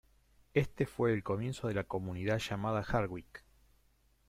Este fue el comienzo de la comunidad llamada Hardwicke.